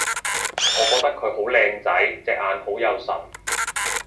我覺得佢好靚仔！隻眼好有神